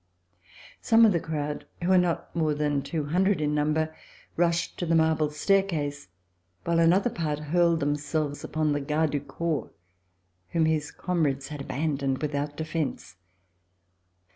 Some of the crowd, who were not more than two hundred in number, rushed to the marble stair case, while another part hurled themselves upon the garde du corps whom his comrades had abandoned without defence.